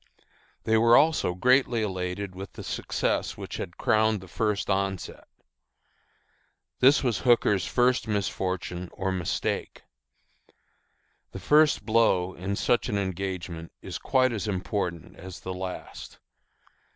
They were also greatly elated with the success which had crowned the first onset. This was Hooker's first misfortune or mistake. The first blow in such an engagement is quite as important as the last.